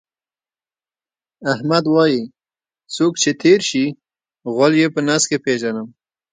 احمد وایي: څوک چې تېر شي، غول یې په نس کې پېژنم.